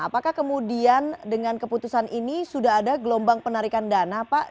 apakah kemudian dengan keputusan ini sudah ada gelombang penarikan dana pak